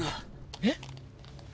えっ？